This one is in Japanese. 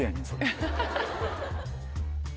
アハハハ。